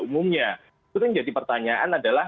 umumnya itu yang jadi pertanyaan adalah